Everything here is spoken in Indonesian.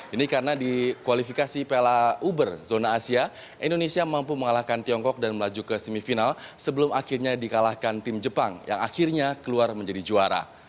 ini karena di kualifikasi piala uber zona asia indonesia mampu mengalahkan tiongkok dan melaju ke semifinal sebelum akhirnya dikalahkan tim jepang yang akhirnya keluar menjadi juara